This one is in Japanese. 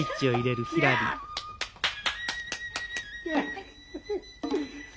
はい。